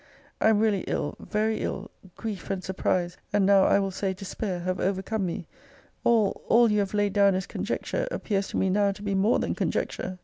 I am really ill very ill grief and surprise, and, now I will say, despair, have overcome me! All, all, you have laid down as conjecture, appears to me now to be more than conjecture!